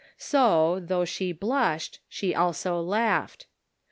So, though she blushed, she also laughed.